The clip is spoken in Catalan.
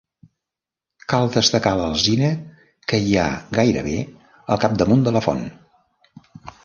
Cal destacar l'alzina que hi ha gairebé al capdamunt de la font.